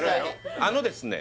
あのですね